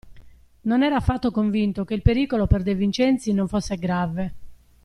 Non era affatto convinto che il pericolo per De Vincenzi non fosse grave.